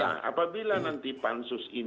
jadi ini adalah pertanyaan yang harus kita lakukan